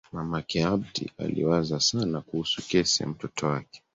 Mamake Abdi aliwaza sana kuhusu kesi ya mtoto wake.